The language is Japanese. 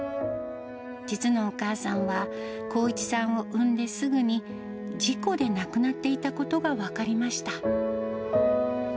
実のお母さんは、航一さんを産んですぐに事故で亡くなっていたことが分かりました。